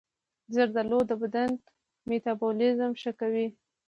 زردآلو د بدن میتابولیزم ښه کوي.